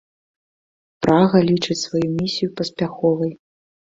Прага лічыць сваю місію паспяховай.